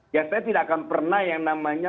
ya saya tidak akan pernah yang namanya